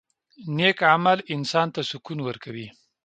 • نیک عمل انسان ته سکون ورکوي.